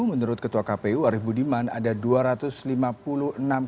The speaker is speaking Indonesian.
menurut ketua kpu arief budiman ada dua ratus lima puluh enam orang